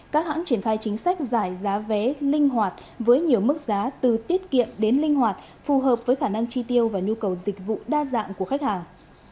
các hãng triển khai chính sách giải giá vé linh hoạt với nhiều mức giá từ tiết kiệm đến linh hoạt phù hợp với khả năng chi tiêu và nhu cầu dịch vụ đa dạng của khách hàng